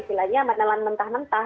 istilahnya menelan mentah mentah